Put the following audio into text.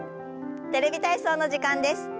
「テレビ体操」の時間です。